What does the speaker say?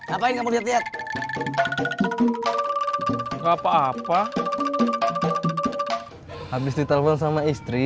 apa yang mau lihat lihat apa apa habis di telepon sama istri